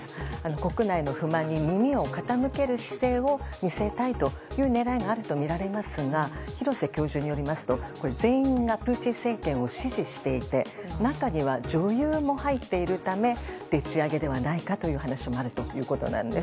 国内の不満に耳を傾ける姿勢を見せたいという狙いがあるとみられますが廣瀬教授によりますと、全員がプーチン政権を支持していて中には、女優も入っているためでっちあげではないかという話もあるということなんです。